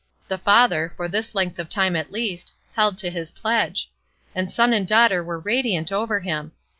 The father, for this length of time at least, held to his pledge; and son and daughter were radiant over him.